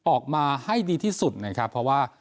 ออกมาให้ดีที่สุดนะครับเพราะว่า